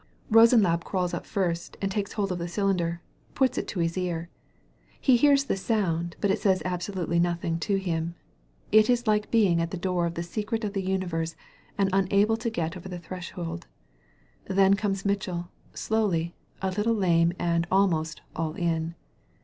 Rosenlaube crawls up first and takes hold of the oylinder, puts it to his ear. He hears the sound, but it says absolutely nothing to him. It is like being at the door of the secret of the universe and unable to get over the threshold. Then comes Mitchell, slowly, a little lame, and almost '*all in."